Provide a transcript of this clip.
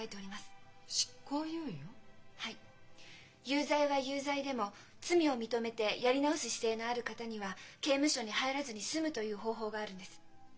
有罪は有罪でも罪を認めてやり直す姿勢のある方には刑務所に入らずに済むという方法があるんです。